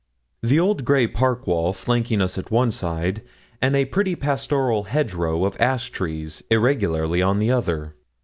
The old grey park wall flanking us at one side, and a pretty pastoral hedgerow of ash trees, irregularly on the other.